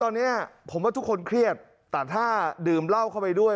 ตอนนี้ผมว่าทุกคนเครียดแต่ถ้าดื่มเหล้าเข้าไปด้วย